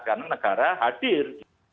karena negara hadir